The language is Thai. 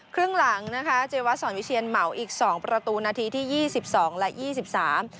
ครึ่งหลังนะคะเจวัดสอนวิเชียนเหมาอีกสองประตูนาทีที่ยี่สิบสองและยี่สิบสาม